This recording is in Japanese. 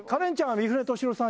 三船敏郎さん？